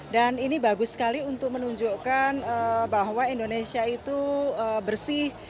dan ini bagus sekali untuk menunjukkan bahwa indonesia itu bersih